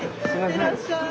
行ってらっしゃい。